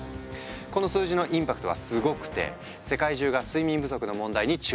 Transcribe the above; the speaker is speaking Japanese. この数字のインパクトはすごくて世界中が睡眠不足の問題に注目。